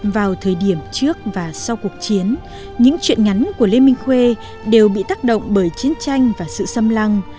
vào thời điểm trước và sau cuộc chiến những chuyện ngắn của lê minh khuê đều bị tác động bởi chiến tranh và sự xâm lăng